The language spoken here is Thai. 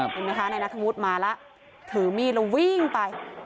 เห็นไหมคะนายนัทธวุฒิมาแล้วถือมีดแล้ววิ่งไป